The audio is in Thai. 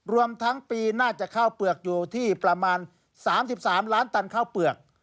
รวมทั้งปีน่าจะข้าวเปลือกอยู่ที่ประมาณ๓๓ล้านตันข้าวเปลือก